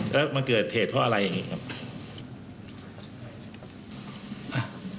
แล้วมันเกิดเหตุเพราะอะไรอย่างนี้ครับ